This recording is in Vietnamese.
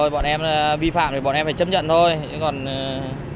bọn em vi phạm thì bọn em phải chấp nhận thôi không có vấn đề gì cả